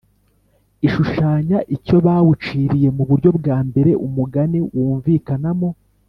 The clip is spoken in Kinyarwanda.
ishushanya icyo bawuciriye. Mu buryo bwa mbere umugani wumvikanamo